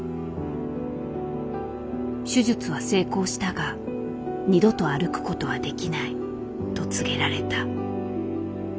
手術は成功したが「二度と歩くことはできない」と告げられた。